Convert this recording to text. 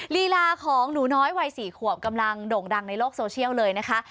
ลีลาของหนูน้อยวัย๔ขวบกำลังโด่งดังในโลกโซเชียลเลยนะคะ